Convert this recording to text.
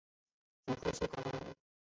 祖父是台湾人。